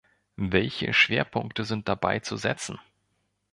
Welche Schwerpunkte sind dabei zu setzen?